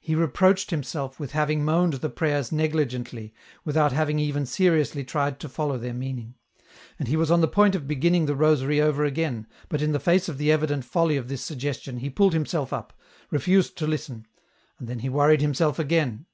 He reproached himself with having moaned the prayers negligently, without having even seriously tried to follow their meaning. And he was on the point of beginning the rosary over again, but in the face of the evident folly of this suggestion he pulled himself up, refused to listen, and then he worried himself again.